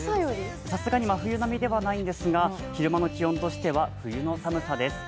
さすがに真冬並みではないんですが、昼間の気温としては冬の寒さです。